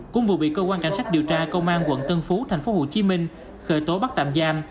cũng vừa bị cơ quan cảnh sát điều tra công an quận tân phú tp hcm khởi tố bắt tạm giam